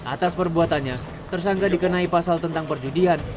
atas perbuatannya tersangka dikenai pasal tentang perjudian